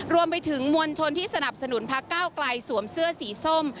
รวมไปถึงมวลชนที่สนับสนุนพักก้าวไกลสวมเสื้อสีส้ม